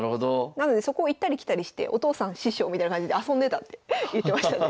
なのでそこを行ったり来たりしてお父さん師匠みたいな感じで遊んでたって言ってましたね